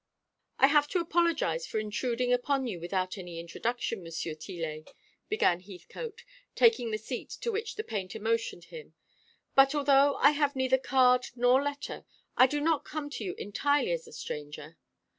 "I have to apologise for intruding upon you without any introduction, M. Tillet," began Heathcote, taking the seat to which the painter motioned him; "but although I have neither card nor letter, I do not come to you entirely as a stranger.